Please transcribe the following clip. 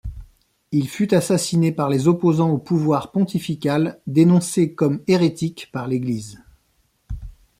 Il fut assassiné par les opposants au pouvoir pontifical dénoncés comme hérétiques par l'Église.